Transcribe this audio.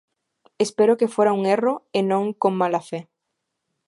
Espero que fora un erro e non con mala fe.